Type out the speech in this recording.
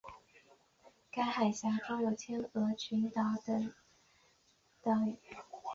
该海峡中有天鹅群岛等岛屿。